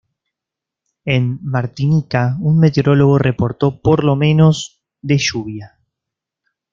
En Martinica, un meteorólogo reportó por lo menos de lluvia.